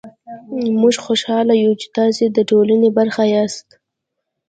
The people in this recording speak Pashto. موژ خوشحاله يو چې تاسې ده ټولني برخه ياست